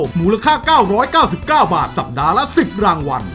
มูลค่า๙๙๙บาทสัปดาห์ละ๑๐รางวัล